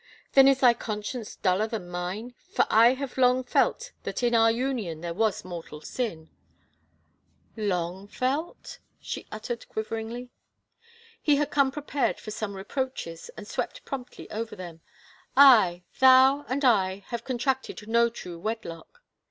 " Then is thy conscience duller than mine, for I have long felt that in our union there was mortal sin." 132 •• A ROYAL TfiTE A TfiTE " Long felt —?" she uttered quivermgly. He had come prepared for some reproaches and swept promptly over them. "Aye ... thou and I have con tracted no true wedlock."